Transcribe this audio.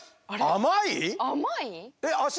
甘い？